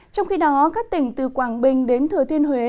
trong khi đó các tỉnh từ quảng bình đến thừa thiên huế